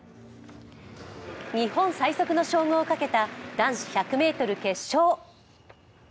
日本最速の称号をかけた男子１００ｍ決勝。